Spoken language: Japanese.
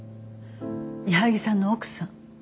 矢作さんの奥さん。